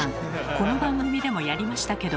この番組でもやりましたけど。